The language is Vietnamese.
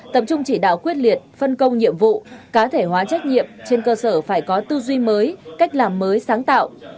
tập trung chỉ đạo quyết liệt phân công nhiệm vụ cá thể hóa trách nhiệm trên cơ sở phải có tư duy mới cách làm mới sáng tạo